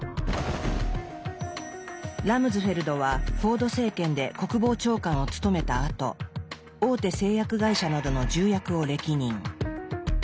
ラムズフェルドはフォード政権で国防長官を務めたあと大手製薬会社などの重役を歴任。